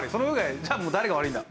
じゃあもう誰が悪いんだ？